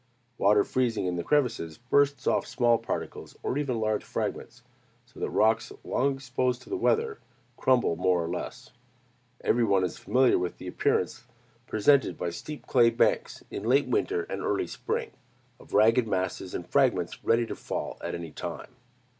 Water freezing in the crevices bursts off small particles, or even large fragments; so that rocks long exposed to the weather, crumble more or less. Every one is familiar with the appearance presented by steep clay banks, in late winter and early spring, of ragged masses and fragments ready to fall at any time.